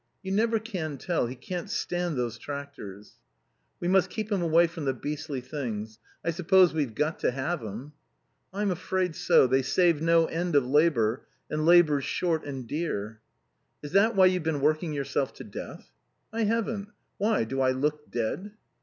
"You never can tell. He can't stand those tractors." "We must keep him away from the beastly things. I suppose we've got to have 'em?" "I'm afraid so. They save no end of labour, and labour's short and dear." "Is that why you've been working yourself to death?" "I haven't. Why, do I look dead?"